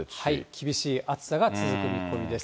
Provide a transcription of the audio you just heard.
厳しい暑さが続く見込みです。